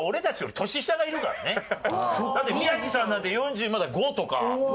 だって宮治さんなんて４０まだ４５とか。